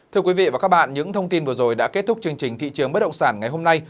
thưa quý vị và các bạn những thông tin vừa rồi đã kết thúc chương trình thị trường bất động sản ngày hôm nay